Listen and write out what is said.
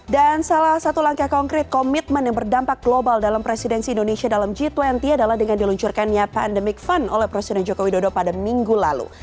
dan salah satu langkah konkret komitmen yang berdampak global dalam presidensi indonesia dalam g dua puluh adalah dengan diluncurkannya pandemic fund oleh presiden joko widodo pada minggu lalu